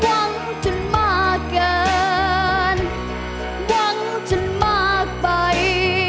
หวังจนมากเกินหวังจนมากไป